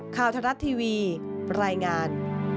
ข่าวทะลัดทีวีประรายงาน